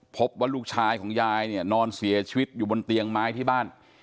พบว่าลูกชายของยายเนี่ยนอนเสียชีวิตอยู่บนเตียงไม้ที่บ้าน